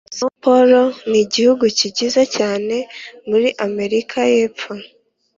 são paulo nigihugu gikize cyane muri amerika yepfo.